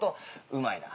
「うまいな」